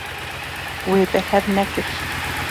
Wê berhev nekir.